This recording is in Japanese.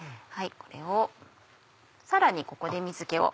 これをさらにここで水気を。